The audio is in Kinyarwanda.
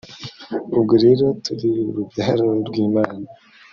ubwo rero turi urubyaro rw imana .